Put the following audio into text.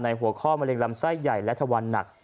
หัวข้อมะเร็งลำไส้ใหญ่และทะวันหนัก